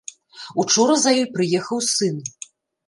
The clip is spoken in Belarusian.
Учора за ёй прыехаў сын.